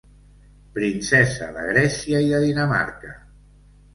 Princesa de Grècia i de Dinamarca.